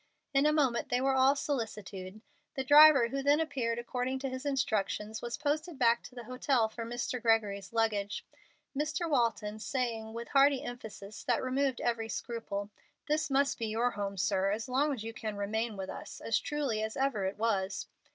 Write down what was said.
In a moment they were all solicitude. The driver, who then appeared according to his instructions, was posted back to the hotel for Mr. Gregory's luggage, Mr. Walton saying, with hearty emphasis that removed every scruple, "This must be your home, sir, as long as you can remain with us, as truly as ever it was."